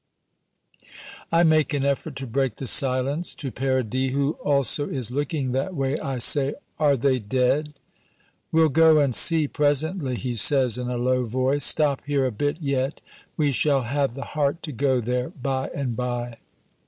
I make an effort to break the silence. To Paradis, who also is looking that way, I say, "Are they dead?" "We'll go and see presently," he says in a low voice; "stop here a bit yet. We shall have the heart to go there by and by."